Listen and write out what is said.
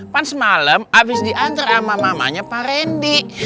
pan semalem abis diantar ama mamanya pak randy